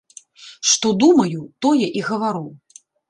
Што думаю, тое і гавару.